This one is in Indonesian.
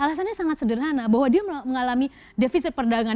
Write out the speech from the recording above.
alasannya sangat sederhana bahwa dia mengalami defisit perdagangan